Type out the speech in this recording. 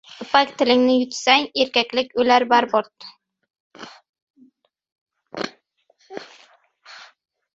Ipak tilingni yutsang, erkaklik o‘lar barbod.